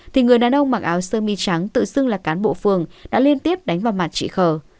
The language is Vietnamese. thì người đàn ông mặc áo sơ mi trắng tự xưng là cán bộ phường đã liên tiếp đánh vào mặt chị khờ